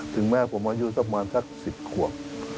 ถึงแม้ผมอายุสักมารถักสิบขวบ